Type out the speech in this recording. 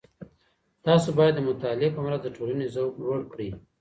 تاسو بايد د مطالعې په مرسته د ټولني ذوق لوړ کړئ.